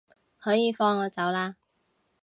可以放我走喇